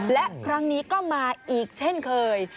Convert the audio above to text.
และครั้งนี้ก็มาอีกเช่นเคย